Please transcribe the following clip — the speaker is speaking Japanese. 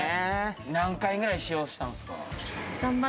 何回くらい使用したんすか？